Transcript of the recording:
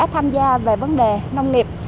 tham gia về vấn đề nông nghiệp